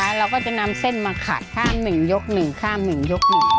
เราก็จะนำเส้นมาขัดข้ามหนึ่งยกหนึ่งข้ามหนึ่งยกหนึ่ง